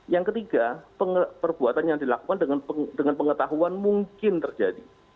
yang ketiga perbuatan yang dilakukan dengan pengetahuan mungkin terjadi